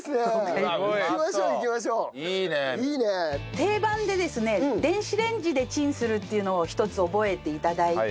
定番でですね電子レンジでチンするっていうのをひとつ覚えて頂いて。